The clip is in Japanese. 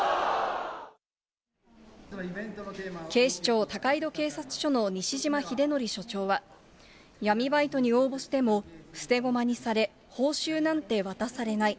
警視庁高井戸警察署の西島秀則署長は、闇バイトに応募しても、捨て駒にされ、報酬なんて渡されない。